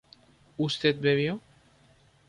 ¿usted bebió?